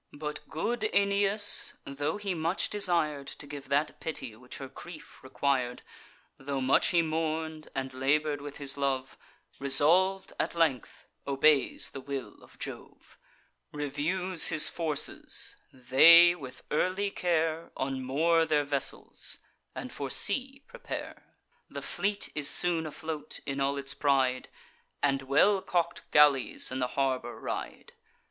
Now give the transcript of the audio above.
But good Aeneas, tho' he much desir'd To give that pity which her grief requir'd; Tho' much he mourn'd, and labour'd with his love, Resolv'd at length, obeys the will of Jove; Reviews his forces: they with early care Unmoor their vessels, and for sea prepare. The fleet is soon afloat, in all its pride, And well calk'd galleys in the harbour ride.